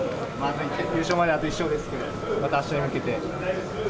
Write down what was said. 優勝まであと１勝ですけど、またあしたに向けて。